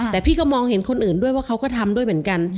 แต่พี่ก็มองเห็นคนอื่นด้วยว่าเขาก็ทำด้วยเหมือนกัน